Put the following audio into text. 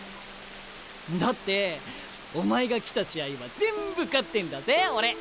だってお前が来た試合は全部勝ってんだぜ俺。